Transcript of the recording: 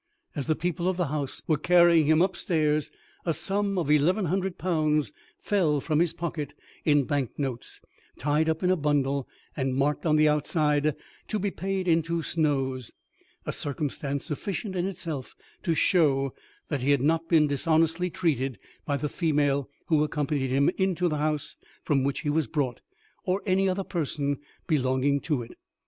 As the people of the house were carrying him up stairs, a sum of 1100_l._ fell from his pocket in bank notes, tied up in a bundle, and marked on the outside, "To be paid into Snow's," a circumstance sufficient in itself to show that he had not been dishonestly treated by the female who accompanied him into the house from which he was brought, or any other person belonging to it.